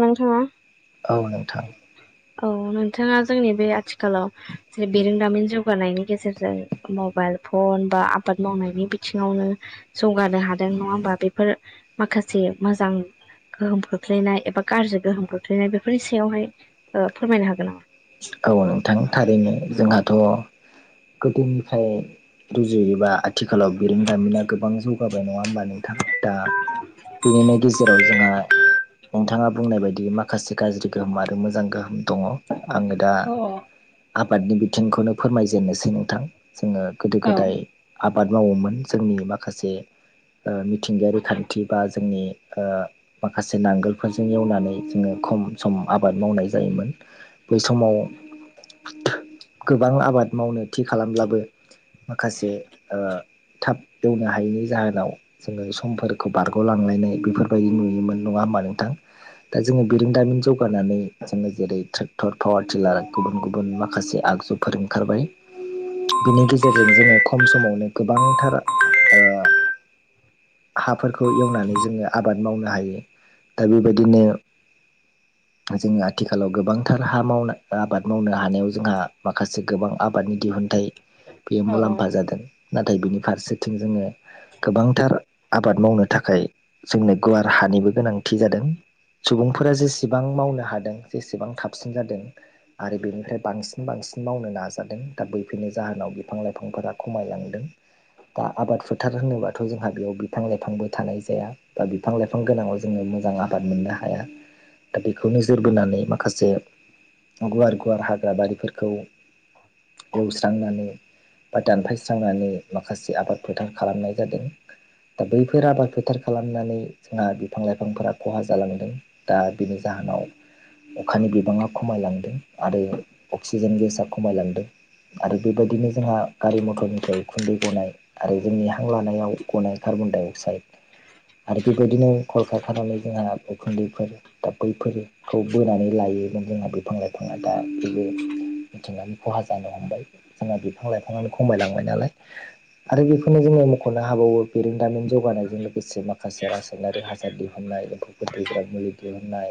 नोंथाङा औ नोंथां औ नोंथाङा जोंनि बे आथिखालाव जे बेरोंदामिन जौगानायनि गेजेरजों मबाइल फन बा आबाद मावनायनि बिथिङावनो जौगानो हादों नङा होमबा बेफोर माखासे मोजां गोहोम खोख्लैनाय ए- बा गाज्रि गोहोम गोख्लैनाय बेफोरनि सायावहाय फोरमायनो हागोन नामा औ नोंथां थारैनो जोंहाथ' गोदोनिफ्राय रुजुयोबा आथिखालाव बिरोंदामिना गोबां जौगाबाय नङा होमबा नोंथां दा बेनिनो गेजेराव जोंहा नोंथाङा बुंनाय बायदि माखासे गाज्रि गोहोम आरो मोजां गोहोम दङ आङो दा अ औ आबादनि बिथिंखौनो फोरमायजेननोसै नोंथां जोङो गोदो औ गोदाय आबाद मावोमोन जोंनि माखासे मिथिंगायारि खान्थि बा जोंनि ओ माखासे नांगोलफोरजों एवनानै जोङो खम सम आबाद मावनाय जायोमोन बै समाव गोबां आबाद मावनो थि खालामब्लाबो माखासे ओ थाब एवनो हायैनि जाहोनाव जोङो समफोरखौ बारग'लांलायनाय बेफोरबायदि नुयोमोन नङा होमबा नोंथां दा जोङो बिरोंदामिन जौगानानै जोङो जेरै ट्रेक्टर पावार टिलार गुबुन गुबुन माखासे आगजुफोर ओंखारबाय बिनि गेजेरजों जोङो खम समावनो गोबांथार ओ हाफोरखौ एवनानै जोङो आबाद मावनो हायो दा बेबायदिनो जोङो आथिखालाव गोबांथार हा मावना ओ आबाद मावनो हानायाव जोंहा माखासे गोबां आबादनि दिहुनथाइ बेयो मुलाम्फा जादों नाथाय बिनि फारसेथिं जोङो गोबांथार आबाद मावनो थाखाय जोंनो गुवार हानिबो गोनांथि जादों सुबुंफोरा जेसेबां मावनो हादों जेसेबां थाबसिन जादों आरो बेनिफ्राय बांसिन बांसिन मावनो नाजादों दा बैफोरनि जाहोनाव बिफां लाइफांफोरा खमायलांदों दा आबाद फोथार होनोबाथ' जोंहा बेयाव बिफां लाइफांबो थानाय जाया बा बिफां लाइफां गोनाङाव जोङो मोजां आबाद मोननो हाया दा बेखौ नोजोर बोनानै माखासे गुवार गुवार हाग्रा बारिफोरखौ एवस्रांनानै बा दानफायस्रांनानै माखासे आबाद फोथार खालामनाय जादों दा बैफोर आबाद फोथार खालामनानै जोंहा बिफां लाइफांफोरा खहा जालांदों दा बिनि जाहोनाव अखानि बिबाङा खमायलां दों आरो अक्सिजेन गेसा खमायलांदों आरो बेबायदिनो जोंहा गारि मथरनिफ्राय उखुन्दै गनाय आरो जोंनि हां लानायाव गनाय कार्बन डाइ अक्साइड आरो बेबायदिनो कलकारखानानि जोंहा उखुन्दैफोर दा बैफोरखौ बोनानै लायोमोन जोंहा बिफां लाइफाङा दा बैबो मिथिंगानि खहा जानो हमबाय जोंहा बिफां लाइफाङानो खमायलांबाय नालाय आरो बेफोरनो जोङो मख'नो हाबावो बेरेंदामिन जौगानायजों लोगोसे माखासे रासायनारि हास साद दिहुननाय एम्फौ फोथैग्रा मुलि दिहुननाय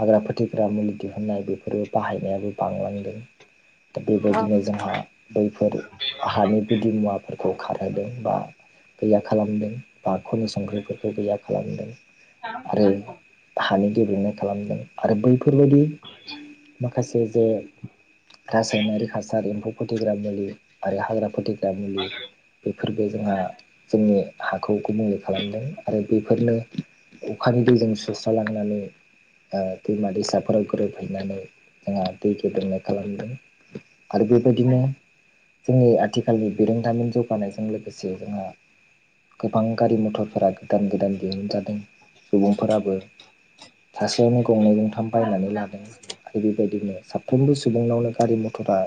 हाग्रा फोथैग्रा मुलि दिहुननाय बे फोरो बाहायनायाबो बांलांदों। दा औ बेबायदिनो जोंहा बैफोर हानि गुदि मुवाफोरखौ खारहोदों बा गैया खालामदों बा खनि संख्रिफोरखौ गैया खालामदों आरो हानि गेब्लेंनाय खालामदों आरो बैफोरबायदि माखासे जे रासायनारि हासार एम्फौ फोथैग्रा मुलि आरो हाग्रा फोथग्रा मुलि बेफोरबो जोंहा जोंनि हाखौ गुबुंले खालामदों आरो बेफोरनो अखानि दैजों सुस्रा लांनानै ओ दैमा दैसाफोराव गोरोब हैैनानै जोंहा दै गेब्रेंनाय खालामदों आरो बेबायदिनो जोंनि आथिखालनि बेरोंदामिन जौगानायजों लोगोसे जोंहा गोबां गारि मथरफोरा गोदान गोदान दिहुनजादों सुबुंफोराबो सासेयावनो गंनै गंथाम बायनानै लादों आरो बेबायदिनो साफ्रोमबो सुबुंनावनो गारि मथरा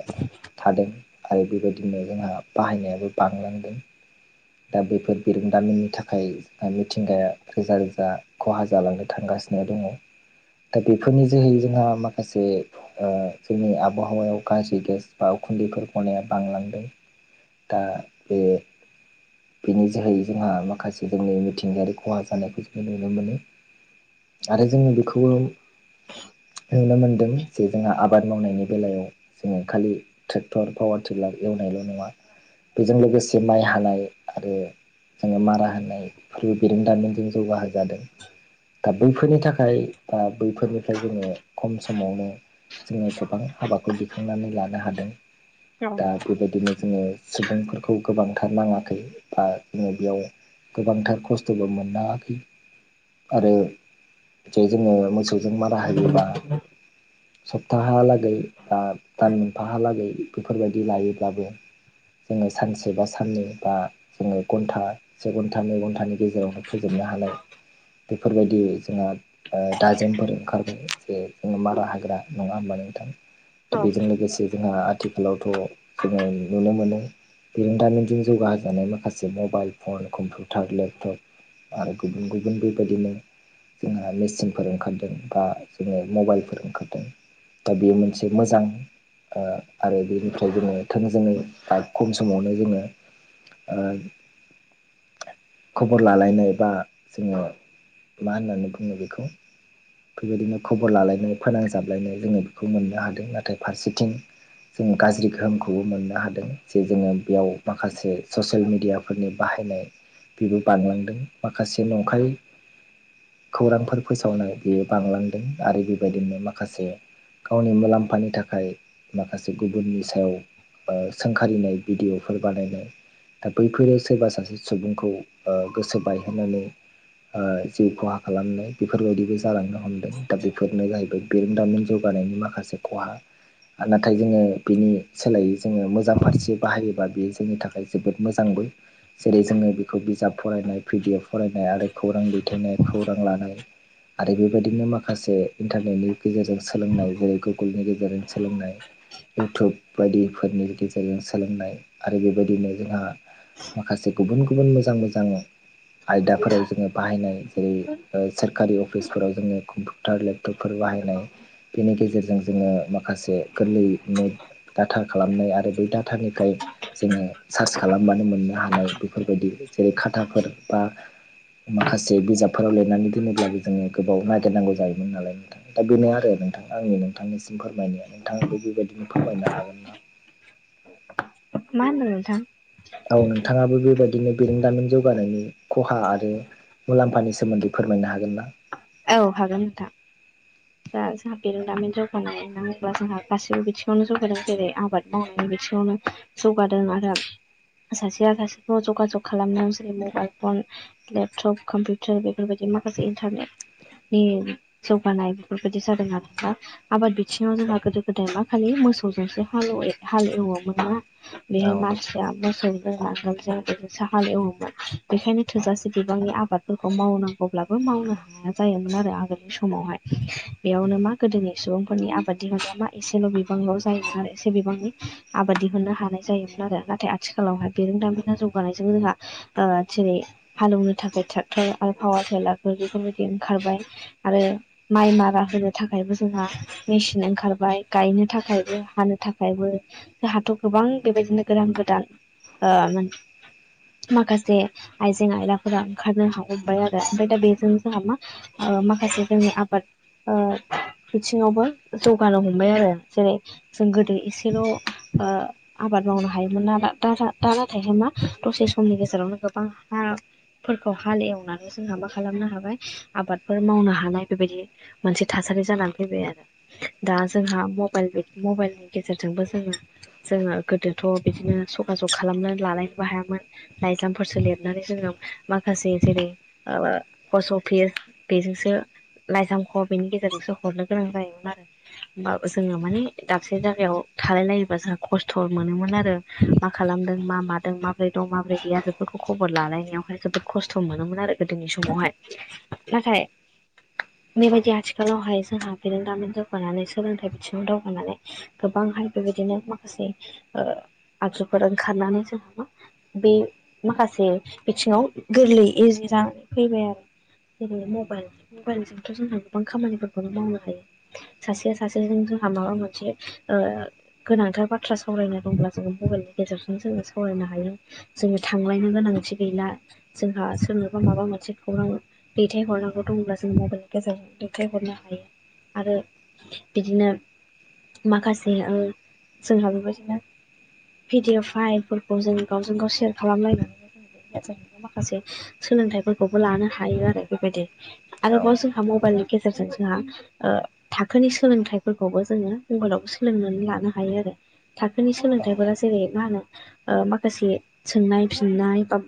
थादों आरो बेबायदिनो जोंहा बाहायनायाबो बांलांदों दा बेफोर बिरोंदामिननि थाखाय ओ मिथिंगाया रोजा रोजा खहा जालांनो थांगासिनो दङ' दा बेफोरनि जोहै जोंहा माखासे ओ जोंनि आबहावायाव गाज्रि गेस बा उखुन्दैफोर गनाया बांलांदों। दा बे बेनि जोहै जोंहा माखासे जोंनि मिथिंगायारि खहा जानायखौ जोङो नुनो मोनो। आरो जोङो बेखौबो नुनो मोनदों जे जोंहा आबाद मावनायनि बेलायाव जोङो खालि ट्रेक्टर पावार टिलार एवनायल' नङा बेजों लोगोसे माइ हानाय आरो जोङो मारा होनाय फोर बिरोंदामिनजों जौगाहोजादों। दा बैफोरनि थाखाय बा बैफोरनिफ्राय जोङो खम समावनो जोङो गोबां हाबाखौ दिखांनानै लानो हादों औ दा बेबायदिनो जोङो सुबुंफोरखौ गोबांथार नाङाखै बा जोङो बेयाव गोबांथार खस्थ'बो मोननाङाखै आरो जे जोङो मोसौ जों मा राहायोबा सप्ताहालागै बा दान मोनफाहालागै बेफोरबायदि लायोब्लाबो जोङो सानसे बा साननै बा जोङो घन्टा से घन्टा नै घन्टानि गेजेरावनो फोजोबनो हानाय बेफोरबायदि जोंहा ओ दाजेमफोर ओंखारबाय जे जों मारा हाग्रा नङा होमबा नोंथां दा बेजों लोगोसे जोंहा थिखालावथ' जोङो नुनो मोनो बिरोंदामिनजों जौगा होजानाय माखासे मबाइल फन कम्पिउटार लेपटप आरो गुबुन गुबुन बेबायदिनो जोंहा मेचिनफोर ओंखारदों बा जोङो मबाइलफोर ओंखारदों दा बेयो मोनसे मोजां ओ आरो बेनिफ्राय जोङो थोंजोङै ब्राद खम समावनो जोङो ओ खबर लालायनाय बा जोङो मा होननानै बुङो बेखौ खैयबायदिनो खबर लालायनाय फोनांजाबलायनाय जोङो बेखौ मोननो हादोंनाथाय फारसेथिं जों गाज्रि गोहोमखौबो मोननो हादों जे जोङो बेयाव माखासे ससेेल मेडियाफोरनि बाहायनाय बेबो बांलांदों माखासे नंखाय खौरांफोर फोसावनाय बियो बांलांदों आरो बेबायदिनो माखासे गावनि मुलाम्फानि थाखाय माखासे गुबुननि सायाव ओ सोंखारिनाय भिडिअफोर बानायनाय दा बैफोरो सोरबा सासे सुबुंखौ ओ गोसो बायहोनानै ओ जि खहा खालामनाय बेफोरबायदिबो जालांनो हमदों। दा बेफोरनो जाहैबाय बेरोंदामिन जौगानायनि माखासे खहा। नाथाय जोङो बिनि सोलायै जोङो मोजां फारसे बाहायोबा बेयो जोंनि थाखाय जोबोद मोजांबो। जेरै जोङो बेखौ बिजाब फरायनाय भिडिअ' फरायनाय आरो खौरां दैथायनाय खौरां लानाय। आरो बेबायदिनो मा खासे इन्टारनेटनि गेजेरजों सोलोंनाय जेरै गुगोलनि गेजेरजों सोलोंनाय इउटुब बायदिफोरनि गेजेरजों सोलोंनाय आरो बेबायदिनो जोंहा माखासे गुबुन-गुबुन मोजां-मोजां आयदाफोराव जोङो बाहायनाय जेरै सोरखारि अफिसफोराव जोङो कमपु टार लेपटपफोर बाहायनाय बेनि गेजेरजों जोङो माखासे गोरलैनो डाटा खालामनाय आरो बेै डाटानिफ्रायाय जोङो सार्च खालामबानो मोननो हानाय बेफोरबायदि जेरै खाथाफोर बा माखासे बिजाबफोराव लिरनानै दोनोब्लाबो जोङो गोबाव नागिरनांगौ जायोमोन नालाय नोंथांङ। दा बेनो आरो नोंथां आंनि नोंथांनिसिम फोरमायनाया नोंथाङाबो बेबायदिनो फोरमायनो हागोन ना? मा होनदों नोंथां? औ नोंथाङाबो बेबायदिनो बेरेंदामि जौगानायनि खहा आरो मुलाम्फानि सोमोन्दै फोरमायनो हागोन ना? औ हागोन नोंथां। दा जोंहा बेरोंदामिन जौगानाय होननाांग्ला जोंहा गासैबो बिथिङावनो जौगादों जेरै आबाद मावनायनि बिथिङावनो जौगादों आरो सासेया सासेखौ जगाजग खालामदों जेरै मबाइल फन लेपटप कम्पिउटार बेफोरबायदि माखासे इन्टारनेट नि जौगानाय बेफोरबायदि जादों ना। आबाद बिथिङाव जोंहा गोदो गोदाय मा खालि मोसौजोंसो हालव हाल एवोमोन ना। बेहाय औ मा मोसौ लांगोन जों बिनो स हाल एवोमोन बेखायनो थोजासे बिबांनि आबाद फोरखौ मावनांगौब्लाबो मावनो हाया। जायोमोन आरो आगोलनि समावहाय औ बेयावनो मा गोदोनि सुबुंफोरनि आबाद दि मोनग्रा मा एसेल' बिबांल' जायो आरो एसे बिबांनि आबाद दिहुननो हानाय जायोमोन आरो नाथाय आथिखालावहाय बेरोंदाेला जौगानायजों जोंहा ओ जेरै हालौवनो थाखाय ट्रेक्टर आरो पावार टेलारफोर बेफोरबायदि ओंखारबाय। आरो माइ मारा होनो थाखायबो जोंहा मेचिन ओंखारबाय गायनो थाखायबो हानो थाखायबो। जोंहाथ' गोबां बेबायदिनो गोदान गोदान ओ माखासे आइजें आयलाफोरा ओंखारनो हाजोबाय आरो ओमफाय दा बेजों जोंहा मा ओ माखासे जोंनि आबाद ओ बिथिङावबो जौगानो हमबाय आरो जेरै जों गोदो एसेल' ओ आबाद मावनो हायोमोन न दा नाथायहाय मा दसे समनि गेजेरावनो गोबां हा फोरखौ हाल एवनानै जोंहा मा खालामनो हाबाय। आबादफोर मावनो हानाय बेबायदि मोनसे थासारि जानानै फैबाय आरो। दा जोंहा मबाइल मबाइलनि गेजेरजोंबो जोङो जोङो गोदोथ' बिदिनो जगाजग खालामनानै लालायनोबो हायामोन। लाइजामफोरसो लिरनानै जोङो माखासे जेरै ओ फस' फिस बेजोंसो लाइजाम ख बेनि गेजेरजोंसो हरनो गोनां जायोमोन आरो। होनबाबो जोङो मानि दाबसे जायगायाव थालाय लायोबा जोंहा खस्थ' मोनोमोन आरो। मा खालामदों मा मादों माब्रै दं माब्रै गैया बेफोरखौ खबर लालायनायावहाय जोबोद खस्थ' मोनोमोन आरो गोदोनि समावहाय। नाथाय बेबायदि आथिखालावहाय जोंहा। बिरेनदामि जौगानानै सोलोंथाइ बिथिङाव दावगानानै गोबांहाय बेबायदिनो माखासे ओ आगजुफोर ओंखारनानै जोंहा बे माखासे बिथिङाव गोरलै इजि जानानै फैबाय आरो। जेरै मबाइल मबाइलजोंथ' जोंहा गोबां खामानिफोरखौनो मावनो हायो। सासेया सासिया जोंहा माबा मोनसे ओ गोनांथार बाथ्रा सावरायनो दंब्ला जोङो मबाइलनि गेजेरजोंनो जोङो सावरायनो हायो। जोङो थांलायनो गोनांथि गैला जोंहा सोरनोबा माबा मोनसे खौरां दैथायहरनांगौ दंब्ला जों मबाइलनि गेजेरजों दैथायहरनो हायो। आरो बिदिनो माखासे ओ जोंहा बेबायदिनो भिडिअफाइफोरखौ जों गावजों गाव सेयार खालामलाय [inaudible] माखासे सोलोंथाइफोरखौबो लानो हायो आरो बेबायदि। आरोबाव जों मबाइल नि गेजेरजों जोंहा ओ थाखोनि सोलोंथाइफोरखौबो जोङो मबाइलाव सोलोंनानै लानो हायो आरो। थाखोनि सोलोंथाइफोरा जेरै मा होनो ओ माखासे सोंनाय फिननाय बा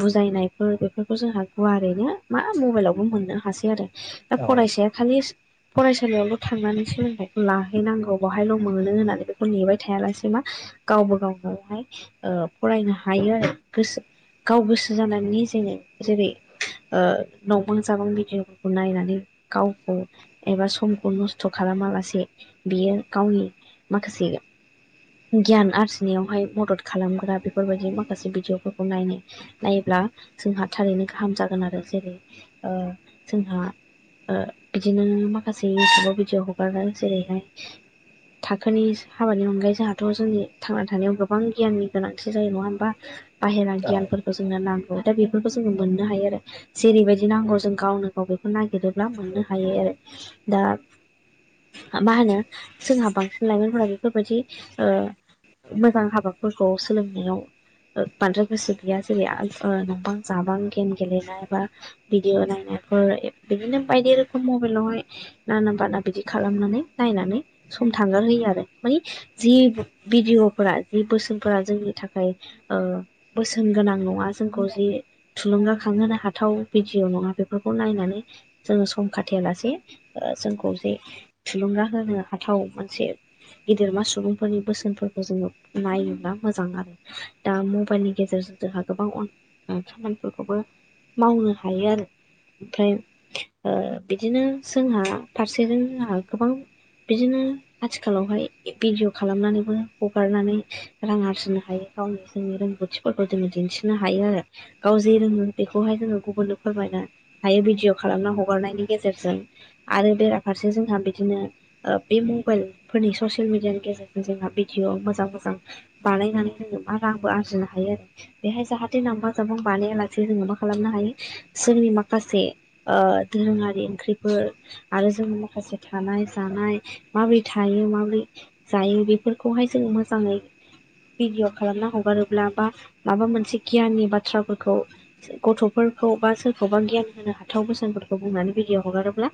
बुजायनायफोर बेफोरखौ जोंहा गवारैनो मा मबाइलावबो मोननो हासै आरो दा औ फरायसाया खालिस फरायसालियावल' थांनानै सोलोंथाइखौ लाहैनांगौ बहायल' मोनो होननानै बेखौ नेबाय थायालासेै मा गावबो गावनोवहाय फरायनो हायो आरो गोसो गाव गोसो जानानि जोनो जेरै ओ न' बां जाबां भिडिअफोरखौ नायनानै गावखौ एबा समखौ नस्थ' खालामालासे बियो गावनि माखासे गियान आरजिनायावहाय मदद खालामग्रा बेफोरबायदि माखासे भिदिअफोरखौ नायनो नायब्ला जोंहा थारैनो गाहाम जागोन आरो जेरै ओ जोंहा ओ बिदिनो माखासे इउटुबाव भिदिअ हगारो जेरैहाय थाखोनि हाबानि अनगायै जोंहा थ' जोंनि थांना थानायाव गोबां गियाननि गोनांथि जायो नङा होमबा बाहेरा औ गियान जोंनो नांगौ दा बेफोरखौ जोङो मोननो हायो आरो। जेरैबायदि नांगौ जों गावनो गाव बेखौ नागिरोब्ला मोननो हायो आरो दा मा होनो जोंहा बांसिन लाइमोनफोरा बेफोरबायदि ओ मोजां हाबाफोरखौ सोलोंनायाव ओ बांद्राय बोसो गैया जेरै ओ नबां जाबां गेम गेलेनाय बा भिदिअ नायनायफोर बिदिनो बायदि रोखोम मबाइलावहाय नाना बाना बिदि खालामनानै नायनानै सम थांगारहयो आरो मानि जि भिडिय'फोरा जि बोसोनफोरा जोंनि थाखाय बोसोन गोनां नङा जोंखौ जि थुलुंगाखांहोनो हाथाव भिडिअ' नङा बेफोरखौ नायनानै जोङो सम खाथेयालासे जोंखौ जे थुलुंगा होनो हाथाव मोनसे गेदेरमा सुबुंफोरनि बोसोनफोरखौ जोङो नायोब्ला मोजां आरो। दा मबाइलनि गेजेरजों जोंहा गोबां [inaudible] खामानिफोरखौबो मावनो हायो आरो। ओमफ्राय बिदिनो जोंहा फारसेजों जोंहा गोबां बिदिनो आथिखालावहाय भिडिअ' खालामनानैबो हगारनानै रां आरजिनो हायो गावनि जोंनि रोंगौथिफोरखौ जोङो दिन्थिनो हायो आरो। गाव जे रोङो बेखौहाय जोङो गुबुननो फोरमायना हायो भिडिअ' खालामना हगारनायनि गेजेरजों। आरो बेराफारसे जोंहा बिदिनो ओ बे मबाइल फोरनि ससे येल मिडियानि गेजेरजों जोंहा भिडिअ' मोजां मोजां बानायनानै जोङो मा रांबो आरजिनो हायो आरो। बेहाय जाहाथे लांबा जाबुं बानायालासे जोङो मा खालामनो हायो जोंनि माखासे ओ दोरोङारि ओंख्रिफोर आरो जों माखासे थानाय जानाय माबोरै थायो माबोरै जायो बेफोरखौहाय जोंङो मोजाङै भिडिअ' खालामना हगारोब्ला बा माबा मोनसे गियाननि बाथ्राफोरखौ गथ'फोरखौ बा सोरखौबा गियान होनो हाथाव बोसोनफोरखौ बुंनानै भिडिययाव हगारोब्ला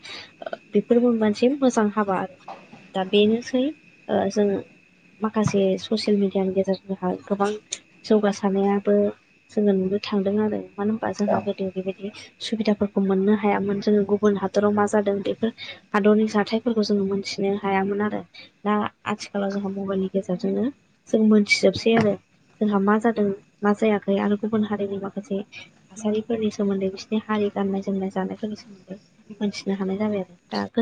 ओ बेफोरबो मोनसे मोजां हाबा आरो दा बेनोसै ओ जों माखासे ससियेल मिडियानि गेजेरजोंहा गोबां जौगासारनायाबो जोङो नुनो थांदों आरो मानो होनबा औ जोंहा गोदो बेबायदि सुबिदाफोरखौ मोननो हायामोन जोङो गुबुन हादराव मा जादों बेफोर हादरनि जाथायफोरखौ जोङो मोनथिनो हायामोन आरो दा आथिखालाव जोंहा मबाइलनि गेजेरजोंनो जों मोनथिजोबसै आरो जोंहा मा जादों मा जायाखै आरो गुबुन हारिनि माखासे थासारिफोरनि सोमोन्दै बिसोरनि हारि गाननाय जोमनाय जानायफोरनि सोमोन्दै मोनथिनो हानाय जाबाय आरो दा गोज